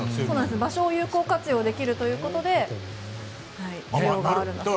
場所を有効活用できるということで需要があるんだそうです。